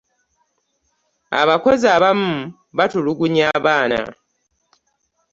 abakozi abamu batulugunya abaana